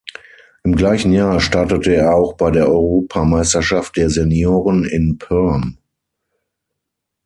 Im gleichen Jahr startete er auch bei der Europameisterschaft der Senioren in Perm.